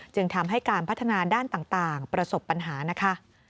จึงทำให้การพัฒนาด้านต่างประสบปัญหานะคะ